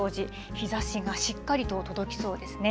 日ざしがしっかりと届きそうですね。